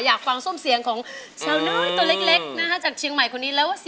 อยากฟังโซ่มเสียงของเชียวน้อยต้นเล็ก